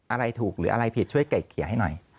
อะไรถูกหรืออะไรผิดช่วยไก่เกลี่ยให้หน่อย